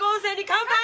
乾杯！